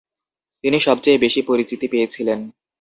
তিনি সবচেয়ে বেশি পরিচিতি পেয়েছিলেন।